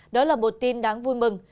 đó là một tin đáng vui mừng